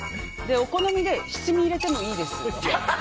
お好みで七味を入れてもいいです。